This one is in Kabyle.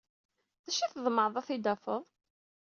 D acu ay tḍemɛed ad t-id-tafed?